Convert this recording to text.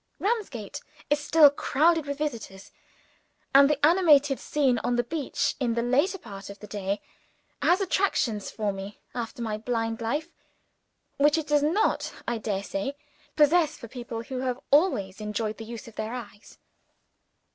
Ramsgate is still crowded with visitors; and the animated scene on the beach in the later part of the day has attractions for me, after my blind life, which it does not (I dare say) possess for people who have always enjoyed the use of their eyes.